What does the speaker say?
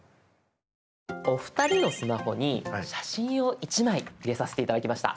お二人のスマホに写真を１枚入れさせて頂きました。